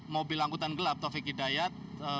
mobil angkutan gelap taufik hidayat